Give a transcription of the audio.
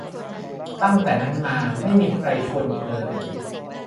ตั้งแต่นั้นมา ไม่มีใครชวนอีกเลย